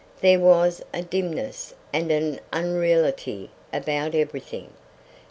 There was a dimness and an unreality about everything.